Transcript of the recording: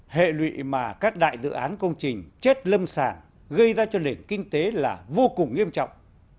hệ lụy mà các đại dự án công trình chết lâm sản gây ra cho nền kinh tế là vô cùng nghiêm trọng